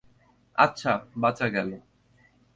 আচ্ছা, বাঁচা গেল!